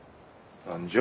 何じゃ？